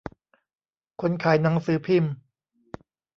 คนขายหนังสือพิมพ์